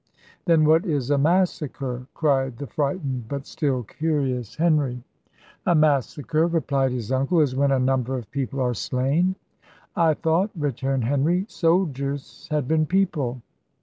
"Then what is a massacre?" cried the frightened, but still curious Henry. "A massacre," replied his uncle, "is when a number of people are slain " "I thought," returned Henry, "soldiers had been people!"